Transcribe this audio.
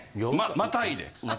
またいで。